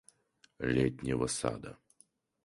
Летнего Сада.